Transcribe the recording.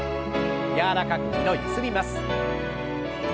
柔らかく２度ゆすります。